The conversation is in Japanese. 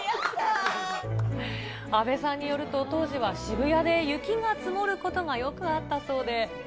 阿部さんによると、当時は渋谷で雪が積もることがよくあったそうで。